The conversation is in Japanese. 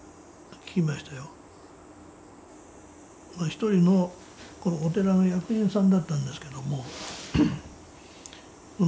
一人のこのお寺の役員さんだったんですけども。